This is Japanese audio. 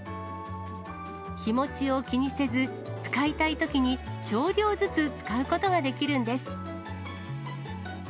日持ちを気にせず、使いたいときに少量ずつ使うことができるんです。